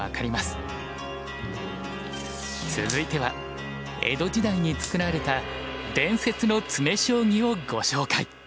続いては江戸時代に作られた伝説の詰将棋をご紹介。